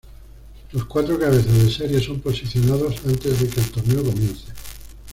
Los cuatro cabezas de serie son posicionados antes de que el torneo comience.